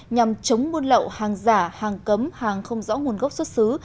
nhằm chống buôn lậu hàng giả hàng cấm hàng không rõ nguồn gốc xuất xứ